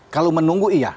kalau menunggu iya